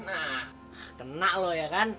nah tena lo ya kan